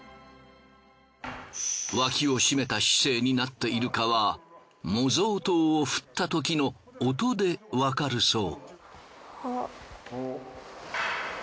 脇を締めた姿勢になっているかは模造刀を振ったときの音でわかるそう。